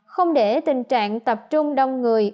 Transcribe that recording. không để tình trạng tập trung đông người